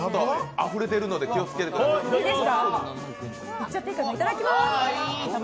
あふれてるので、気をつけてください。